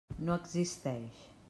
No existeix.